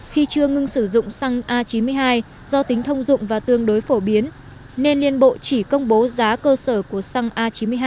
khi chưa ngưng sử dụng xăng a chín mươi hai do tính thông dụng và tương đối phổ biến nên liên bộ chỉ công bố giá cơ sở của xăng a chín mươi hai